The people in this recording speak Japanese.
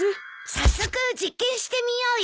早速実験してみようよ。